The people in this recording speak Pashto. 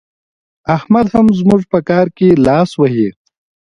احمد هم زموږ په کار کې لاس وهي.